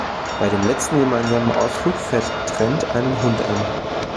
Bei dem letzten gemeinsamen Ausflug fährt Trent einen Hund an.